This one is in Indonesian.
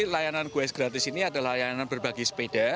layanan goes gratis ini adalah layanan berbagi sepeda